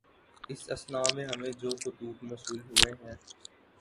اس اثنا میں ہمیں جو خطوط موصول ہوئے ہیں